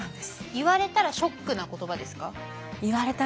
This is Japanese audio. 言われたらショックな言葉ですか？